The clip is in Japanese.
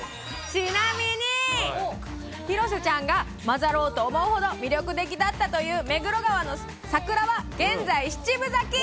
ちなみに、広瀬ちゃんが交ざろうと思うほど魅力的だったという目黒川の桜は、現在、７分咲き。